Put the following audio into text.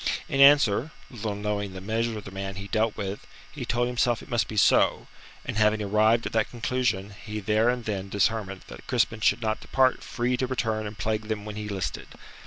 In answer little knowing the measure of the man he dealt with he told himself it must be so, and having arrived at that conclusion, he there and then determined that Crispin should not depart free to return and plague them when he listed.